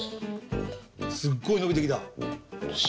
すっごいのびてきた。